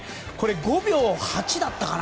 ５秒８だったかな